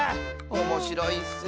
おもしろいッス！